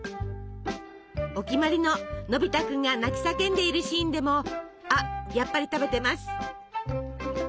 お決まりののび太君が泣き叫んでいるシーンでもあっやっぱり食べてます。